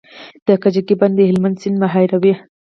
د کجکي بند د هلمند سیند مهاروي